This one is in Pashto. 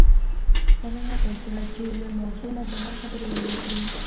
هغې هڅه وکړه چې له موضوع نه بهر خبرې ونه کړي